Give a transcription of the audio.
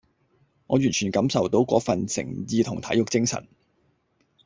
我完全感受到嗰份誠意同體育精神